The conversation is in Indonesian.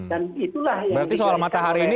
dan itulah yang diberikan oleh adrt